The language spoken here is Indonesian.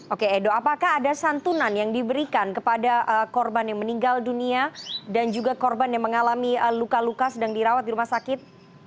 oke edo apakah ada santunan yang diberikan kepada korban yang meninggal dunia dan juga korban yang mengalami luka luka sedang dirawat di rumah sakit